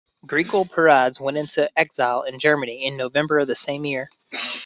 Grigol Peradze went into exile in Germany in November the same year.